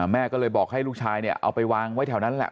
แม่ก็เลยบอกให้ลูกชายเนี่ยเอาไปวางไว้แถวนั้นแหละ